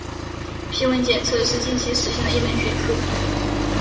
皮纹检测是近期时兴的一门学科。